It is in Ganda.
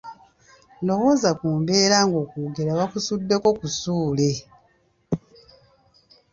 Lowooza ku mbeera ng'okwogera bakusuddeko kusuule!